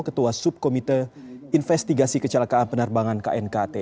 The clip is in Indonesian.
ketua subkomite investigasi kecelakaan penerbangan knkt